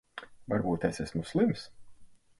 Varbūt es esmu slims.